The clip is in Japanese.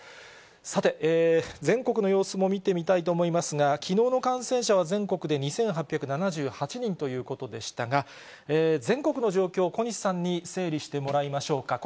さて、全国の様子も見てみたいと思いますが、きのうの感染者は全国で２８７８人ということでしたが、全国の状況、小西さんに整理してもらいましょうか。